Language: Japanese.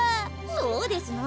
そうですの。